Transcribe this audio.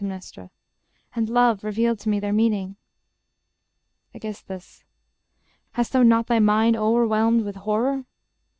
_ And love Revealed to me their meaning. Aegis. Hast thou not Thy mind o'erwhelmed with horror?